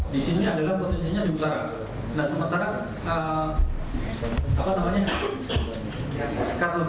di sini adalah potensinya juga